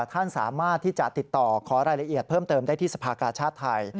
ท่านสามารถที่จะติดต่อขอรายละเอียดเพิ่มเติมได้ที่สภากาชาติไทย